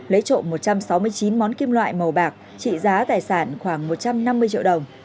lấy trộm một trăm sáu mươi chín món kim loại màu bạc trị giá tài sản khoảng một trăm năm mươi triệu đồng